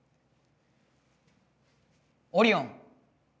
オリオン！